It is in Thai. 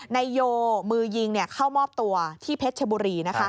นายโยมือยิงเข้ามอบตัวที่เพชรชบุรี